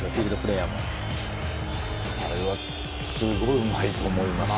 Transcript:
あれはすごいうまいと思います。